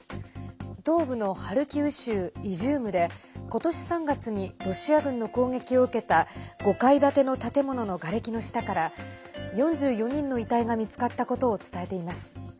東部のハルキウ州イジュームでことし３月にロシア軍の攻撃を受けた５階建ての建物のがれきの下から４４人の遺体が見つかったことを伝えています。